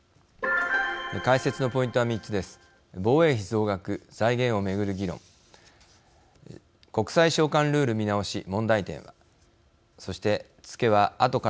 解説のポイントは３つです。